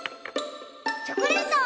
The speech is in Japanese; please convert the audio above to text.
チョコレート！